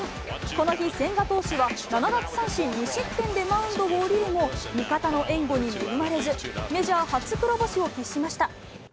この日、千賀投手は７奪三振２失点でマウンドを降りるも、味方の援護に恵まれず、メジャー初黒星を喫しました。